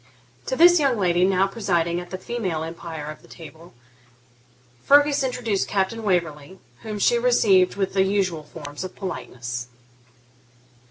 To this young lady, now presiding at the female empire of the tea table, Fergus introduced Captain Waverley, whom she received with the usual forms of politeness.